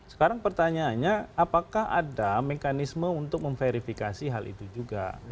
sekarang pertanyaannya apakah ada mekanisme untuk memverifikasi hal itu juga